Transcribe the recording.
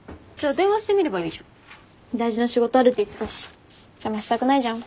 大事な仕事あるって言ってたし邪魔したくないじゃん。